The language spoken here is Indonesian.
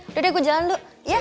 udah deh aku jalan dulu